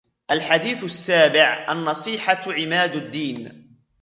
الحديث السابع: النصيحة عماد الدين